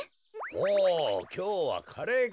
おおきょうはカレーか。